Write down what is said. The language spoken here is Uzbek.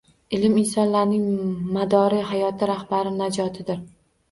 Ilm insonlarning madori hayoti, rahbari najotidur